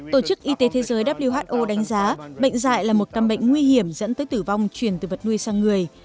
tổ chức y tế thế giới who đánh giá bệnh dạy là một căn bệnh nguy hiểm dẫn tới tử vong chuyển từ vật nuôi sang người